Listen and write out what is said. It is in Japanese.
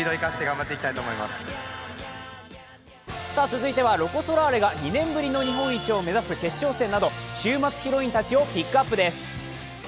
続いてはロコ・ソラーレが２年ぶりの日本一を目指すなど週末ヒロインたちをピックアップです。